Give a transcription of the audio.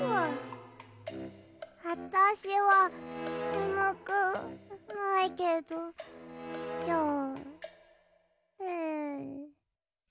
あたしはねむくないけどじゃあん。